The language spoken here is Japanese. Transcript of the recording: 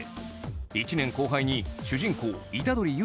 １年後輩に主人公虎杖悠